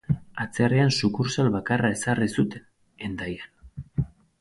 Atzerrian sukurtsal bakarra ezarri zuten, Hendaian.